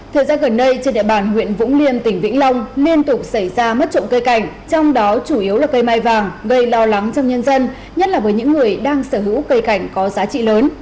thời gian gần đây trên địa bàn huyện vũng liêm tỉnh vĩnh long liên tục xảy ra mất trộm cây cảnh trong đó chủ yếu là cây mai vàng gây lo lắng trong nhân dân nhất là với những người đang sở hữu cây cảnh có giá trị lớn